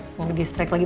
nggak di strike lagi